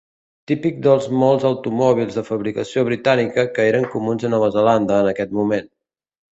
Típic dels molts automòbils de fabricació britànica que eren comuns a Nova Zelanda en aquest moment.